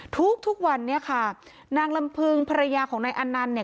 ทุกวันนี้ค่ะนางลำพึงภรรยาของนายอนันต์เนี่ย